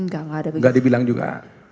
gak dibilang juga